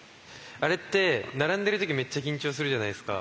あれって並んでる時めっちゃ緊張するじゃないですか。